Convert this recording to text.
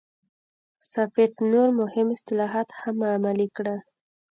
ټافت نور مهم اصلاحات هم عملي کړل.